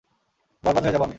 বরবাদ হয়ে যাব আমি।